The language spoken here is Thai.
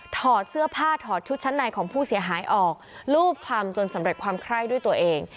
ถอดเสื้อผ้าถอดชุดชั้นในของผู้เสียหายออกรูปคลำจนสำเร็จความไคร้ด้วยตัวเอง